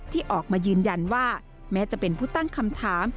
ที่ออกมายืนยันว่าแม้จะเป็นผู้ตั้งคำถาม